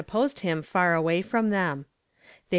posed him far away from them. They 335 " "V.